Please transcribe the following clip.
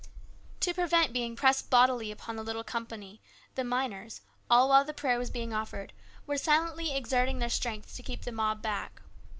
To prevent being pressed bodily upon the little company the miners, all the while the prayer was being offered, were silently exerting their great strength to keep the mob back.